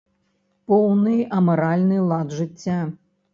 Поўны амаральны лад жыцця.